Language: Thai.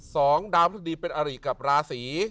สองดาวพระราชสมดีเป็นอาริกับราศี